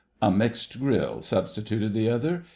"A mixed grill," substituted the other.